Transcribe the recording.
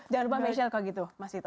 jangan lupa facial kok gitu mas vito